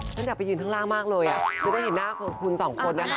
ฉันอยากไปยืนข้างล่างมากเลยจะได้เห็นหน้าคุณสองคนนะคะ